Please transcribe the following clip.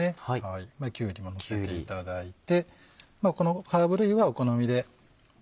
きゅうりものせていただいてハーブ類はお好みで。